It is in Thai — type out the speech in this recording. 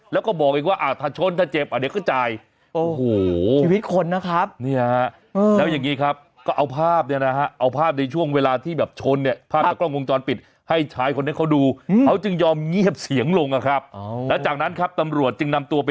แล้วก็บอกไอ้งว่าอ่าถ้าช้นถ้าเจ็บอ่ะเดี๋ยวก็จ่าย